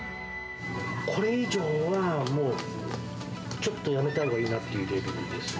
これ以上はもう、ちょっとやめたほうがいいなっていうレベルですね。